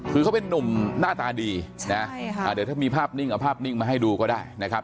คือเขาเป็นนุ่มหน้าตาดีนะเดี๋ยวถ้ามีภาพนิ่งเอาภาพนิ่งมาให้ดูก็ได้นะครับ